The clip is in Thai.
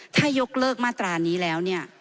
ถ้ายกเลิกมาตรานี้แล้วเนี่ย